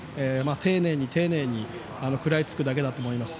丁寧に、丁寧に食らいつくだけだと思います。